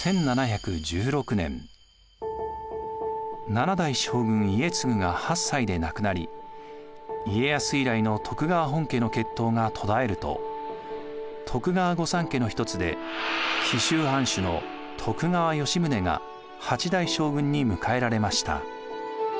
７代将軍・家継が８歳で亡くなり家康以来の徳川本家の血統が途絶えると徳川御三家の一つで紀州藩主の徳川吉宗が８代将軍に迎えられました。